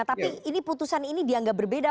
tapi ini putusan ini dianggap berbeda